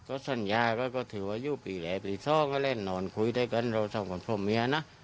ก็สัญญาก็ถือว่าอยู่ปีแหล่ปีทองและนอนคุยด้วยกันเราสองคนพวกเมียนะ